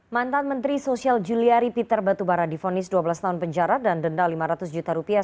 mantan menteri sosial juliari peter batubara difonis dua belas tahun penjara dan denda lima ratus juta rupiah